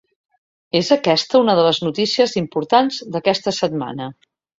És aquesta una de les notícies importants d’aquesta setmana.